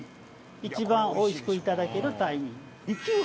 一番おいしくいただけるタイミング。